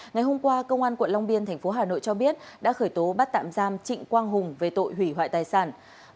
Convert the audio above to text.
ngày hôm qua công an quận long biên tp hà nội cho biết đã khởi tố bắt tạm giam trịnh quang hùng về tội hủy hoại tài sản